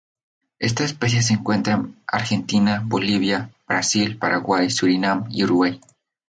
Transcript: Esta especie se encuentra en Argentina, Bolivia, Brasil, Paraguay, Surinam, y Uruguay.